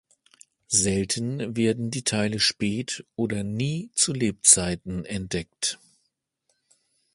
Selten werden die Teile spät oder nie zu Lebzeiten entdeckt.